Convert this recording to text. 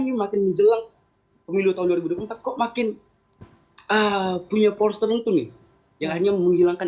ini makin menjelang pemilu tahun dua ribu dua puluh empat kok makin punya pors tertentu nih yang hanya menghilangkan